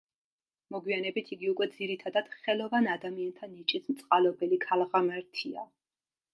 მოგვიანებით იგი უკვე ძირითადად ხელოვან ადამიანთა ნიჭის მწყალობელი ქალღმერთია.